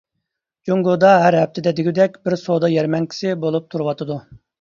جۇڭگودا ھەر ھەپتىدە دېگۈدەك بىر سودا يەرمەنكىسى بولۇپ تۇرۇۋاتىدۇ.